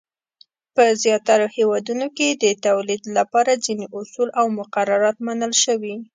په زیاترو هېوادونو کې د تولید لپاره ځینې اصول او مقررات منل شوي.